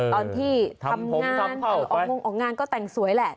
ตอนที่ทำงานออกงงออกงานก็แต่งสวยแหละ